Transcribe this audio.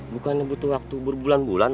bukannya butuh waktu berbulan bulan